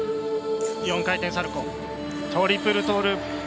４回転サルコートリプルトーループ。